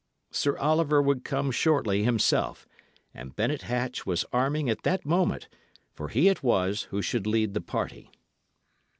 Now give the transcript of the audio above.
Sir Oliver would come shortly himself, and Bennet Hatch was arming at that moment, for he it was who should lead the party.